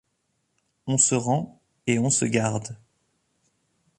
On se rend, et on se garde.